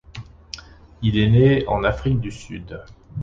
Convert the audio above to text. Il est né en Afrique du Sud.